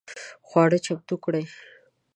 خواړه چمتو کړئ